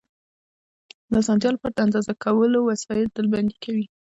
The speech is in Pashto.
د اسانتیا لپاره د اندازه کولو وسایل ډلبندي کوو.